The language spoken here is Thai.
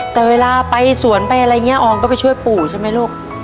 แต่เวลาไปสวนไปอะไรนี้ออมก็ไปช่วยปู่ใช่มั้ยลูก